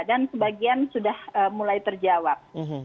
dan sebagian sudah mulai terjawab